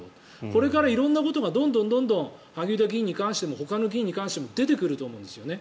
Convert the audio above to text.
これから色んなことがどんどん萩生田議員に関してもほかの議員に関しても出てくると思うんですよね。